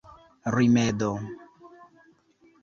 rimedo